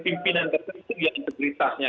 pimpinan tertentu ya integritasnya